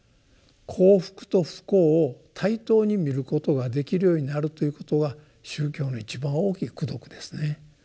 幸福と不幸を対等に見ることができるようになるということは宗教の一番大きい功徳ですね。